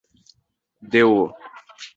Deo